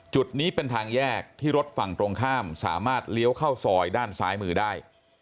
จุดนี้เป็นทางแยกที่รถฝั่งตรงข้ามสามารถเลี้ยวเข้าซอยด้านซ้ายมือได้